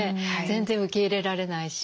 全然受け入れられないし。